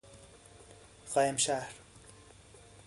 قائمشهر